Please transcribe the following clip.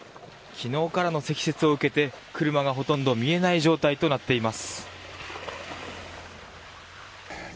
昨日からの積雪を受けて車がほとんど見えない状態となっています。